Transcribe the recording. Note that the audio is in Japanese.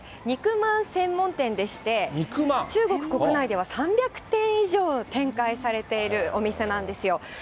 肉まん専門店でして、中国国内では、３００店以上展開されているお店なんですよ。